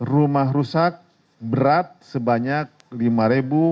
rumah rusak berat sebanyak lima dua ratus sembilan belas jiwa